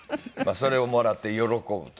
それをもらって喜ぶと。